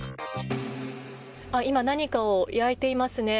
今、何かを焼いていますね。